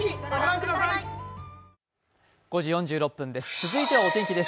続いてはお天気です。